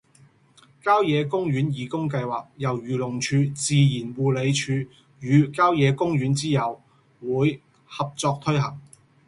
郊野公園義工計劃由漁農自然護理署與郊野公園之友會合作推行